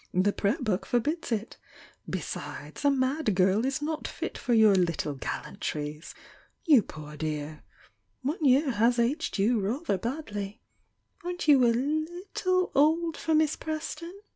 The Prayer Book forbids! Besides, a mad girl is not fit for your little gallantries! You poor dear! One year has aged you rather badly! Aren't you a leetle old for Miss Preston?"